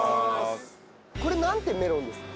これなんていうメロンですか？